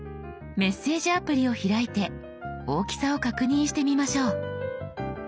メッセージアプリを開いて大きさを確認してみましょう。